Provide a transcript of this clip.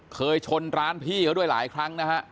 เคยชนร้านพี่เขาด้วยหลายครั้งนะฮะ